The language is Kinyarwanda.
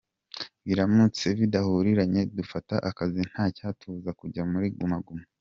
Biramutse bidahuriranye tudafite akazi ntacyatubuza kujya muri Guma Guma.